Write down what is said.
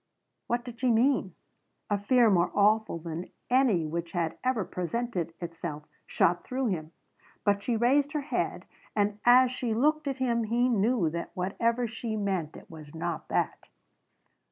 What did she mean? A fear more awful than any which had ever presented itself shot through him. But she raised her head and as she looked at him he knew that whatever she meant it was not that.